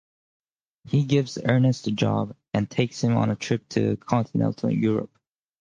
He gives Ernest a job, and takes him on a trip to Continental Europe.